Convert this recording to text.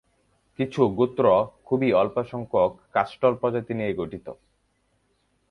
কিছু গোত্র খুবই অল্প সংখ্যক কাষ্ঠল প্রজাতি নিয়ে গঠিত।